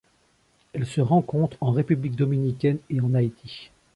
Elle se rencontre en République dominicaine et en Haïti.